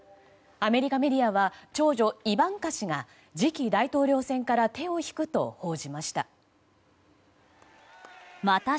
アメリカメディアは長女イバンカ氏が次期大統領選から手を引くと報じました。